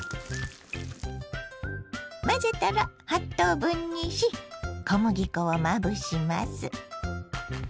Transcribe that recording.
混ぜたら８等分にし小麦粉をまぶします。